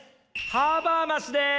ハーバーマスです！